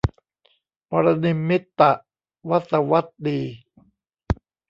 ปรนิมมิตวสวัตดี